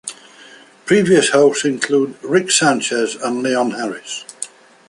Previous hosts include Rick Sanchez and Leon Harris.